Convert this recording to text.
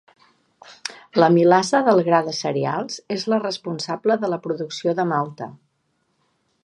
L'amilasa del gra de cereals és la responsable de la producció de malta.